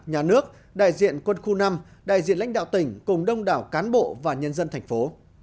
nhà nước đại diện quân khu năm đại diện lãnh đạo tỉnh cùng đông đảo cán bộ và nhân dân thành phố